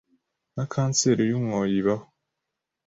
na kanseri y’umwoyo ibaho